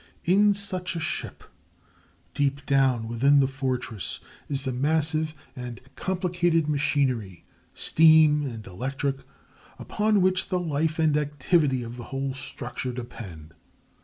In such a ship, deep down within the fortress is the massive and complicated machinery, steam and electric, upon which the life and activity of the whole structure depend.